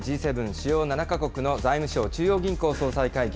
・主要７か国の財務相・中央銀行総裁会議。